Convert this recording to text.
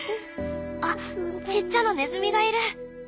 あっちっちゃなネズミがいる。